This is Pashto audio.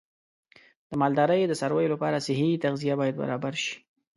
د مالدارۍ د څارویو لپاره صحي تغذیه باید برابر شي.